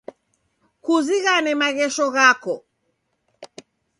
Kuzighane maghesho ghako.